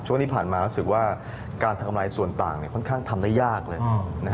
ช่วงที่ผ่านมารู้สึกว่าการทำลายส่วนต่างค่อนข้างทำได้ยากเลย